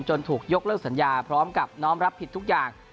ถูกยกเลิกสัญญาพร้อมกับน้อมรับผิดทุกอย่าง